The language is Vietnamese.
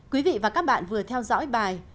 quý vị và các bạn vừa theo dõi bài